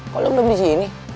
kok lo belum disini